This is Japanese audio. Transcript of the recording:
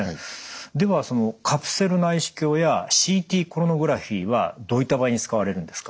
ではそのカプセル内視鏡やＣＴコロノグラフィーはどういった場合に使われるんですか？